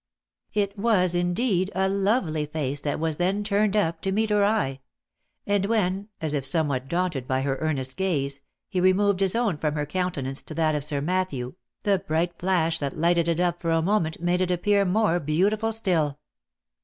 It was indeed a lovely face that was then turned up to meet her eye; and when, as if somewhat daunted by her earnest gaze, he removed his own from her countenance to that of Sir Matthew, the bright flash that lighted it up for a moment made it appear more beautiful still.